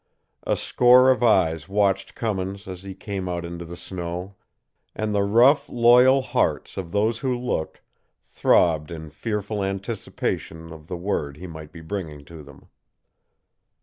A score of eyes watched Cummins as he came out into the snow, and the rough, loyal hearts of those who looked throbbed in fearful anticipation of the word he might be bringing to them.